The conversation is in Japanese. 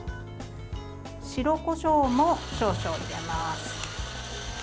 白こしょうも少々入れます。